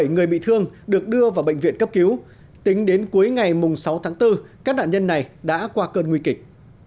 bảy người bị thương được đưa vào bệnh viện cấp cứu tính đến cuối ngày sáu tháng bốn các nạn nhân này đã qua cơn nguy kịch